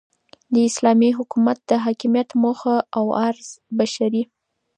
داسلامي حكومت دحاكميت موخه اوغرض بشري